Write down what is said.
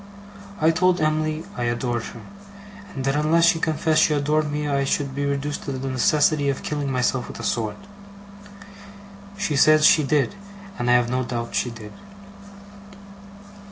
I told Em'ly I adored her, and that unless she confessed she adored me I should be reduced to the necessity of killing myself with a sword. She said she did, and I have no doubt she did.